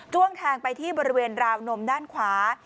้วงแทงไปที่บริเวณราวนมด้านขวา